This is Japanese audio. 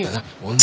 女